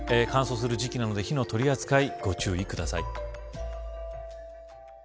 乾燥する時期なので火の取り扱い、ご注意ください。